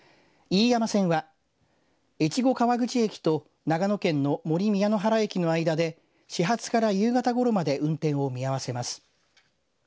飯山線は越後川口駅と長野県の森宮野原駅の間で始発から夕方ごろまで運転を見合わせます。